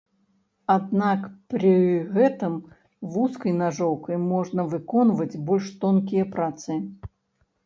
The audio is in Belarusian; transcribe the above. Аднак пры гэтым, вузкай нажоўкай можна выконваць больш тонкія працы.